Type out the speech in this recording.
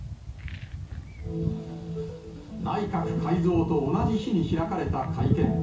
内閣改造と同じ日に開かれた会見。